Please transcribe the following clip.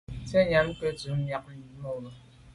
Ntsenyà nke ntum num miag mube.